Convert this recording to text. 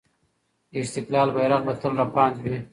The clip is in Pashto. د استقلال بیرغ به تل رپاند وي.